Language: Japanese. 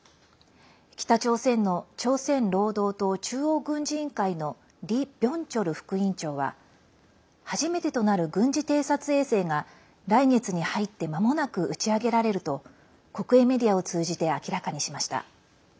北朝鮮の朝鮮労働党中央軍事委員会のリ・ビョンチョル副委員長は初めてとなる軍事偵察衛星が来月に入って、まもなく打ち上げられると国営メディアを通じて明らかにしました。